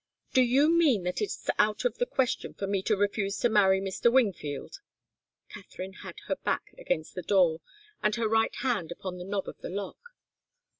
"Do you mean that it's out of the question for me to refuse to marry Mr. Wingfield?" Katharine had her back against the door and her right hand upon the knob of the lock.